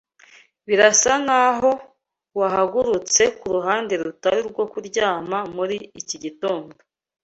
Birasa nkaho wahagurutse kuruhande rutari rwo kuryama muri iki gitondo.